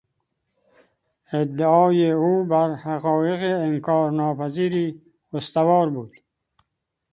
ادعای او بر حقایق انکارناپذیری استوار بود.